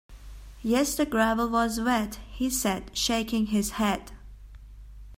"Yet the gravel was wet," he said, shaking his head.